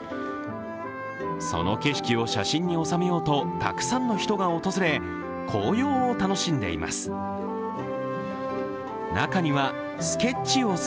その景色を写真に収めようとたくさんの人が訪れ、黄葉を楽しんでいます。